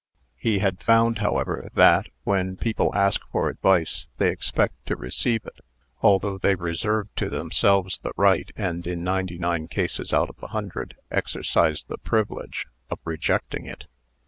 He had found, however, that, when people ask for advice, they expect to receive it, although they reserve to themselves the right, and, in ninety nine cases out of a hundred, exercise the privilege, of rejecting it.